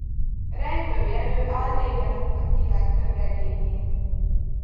Rejtő Jenő álnéven adta ki legtöbb regényét.